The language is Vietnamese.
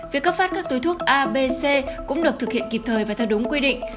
việc cấp phát các túi thuốc a b c cũng được thực hiện kịp thời và theo đúng quy định